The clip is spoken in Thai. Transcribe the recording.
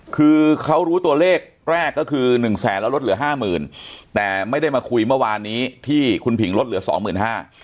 คือเขารู้ตัวเลขแรกก็คือหนึ่งแสนแล้วลดเหลือห้าหมื่นแต่ไม่ได้มาคุยเมื่อวานนี้ที่คุณผิงลดเหลือสองหมื่นห้า